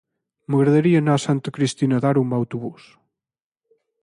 M'agradaria anar a Santa Cristina d'Aro amb autobús.